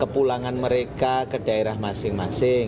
kepulangan mereka ke daerah masing masing